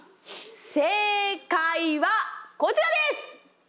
正解はこちらです。